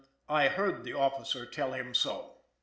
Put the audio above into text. I heard the officer tell him so."